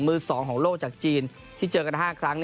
มือ๒ของโลกจากจีนที่เจอกัน๕ครั้ง